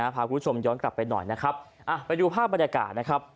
พาคุณผู้ชมย้อนกลับไปหน่อยนะครับไปดูภาพบรรยากาศนะครับ